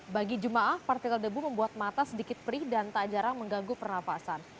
bagi jemaah partikel debu membuat mata sedikit perih dan tak jarang mengganggu pernafasan